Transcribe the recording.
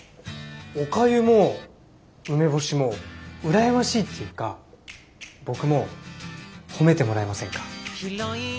おかゆも梅干しも羨ましいっていうか僕も褒めてもらえませんか？